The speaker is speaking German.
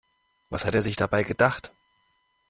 Was hat er sich dabei gedacht?